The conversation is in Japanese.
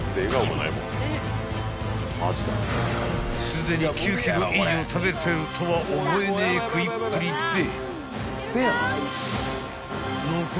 ［すでに９ｋｇ以上食べてるとは思えねえ食いっぷりで］